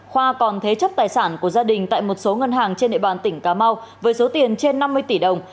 khoa còn thế chấp tài sản của gia đình tại một số ngân hàng trên địa bàn tỉnh cà mau với số tiền trên năm mươi tỷ đồng